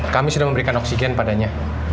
kami sudah memberikan oksigen padanya